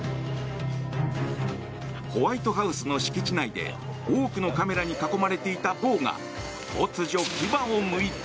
ホワイトハウスの敷地内で多くのカメラに囲まれていたボーが突如、牙をむいた。